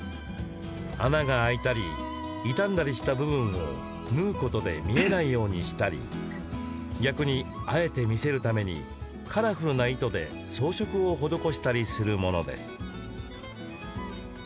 穴が開いたり傷んだりした部分を縫うことで見えないようにしたり逆に、あえて見せるためにカラフルな糸で装飾を施したりするものです。